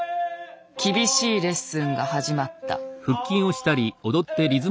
厳しいレッスンが始まった。